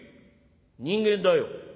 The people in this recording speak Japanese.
「人間だよ」。